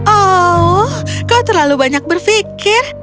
oh kau terlalu banyak berpikir